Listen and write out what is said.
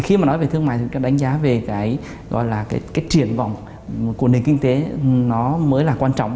khi mà nói về thương mại thì cái đánh giá về cái gọi là cái triển vọng của nền kinh tế nó mới là quan trọng